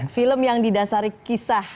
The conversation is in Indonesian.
film yang didasari kisah